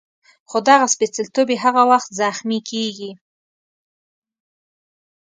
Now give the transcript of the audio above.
خو دغه سپېڅلتوب یې هغه وخت زخمي کېږي.